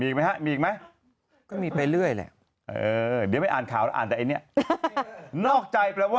คือแบบแป๊บ